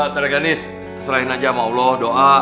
terganis serahin aja sama allah doa